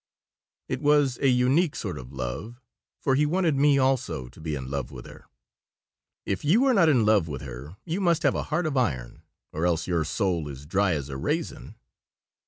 It was a unique sort of love, for he wanted me also to be in love with her "If you are not in love with her you must have a heart of iron, or else your soul is dry as a raisin."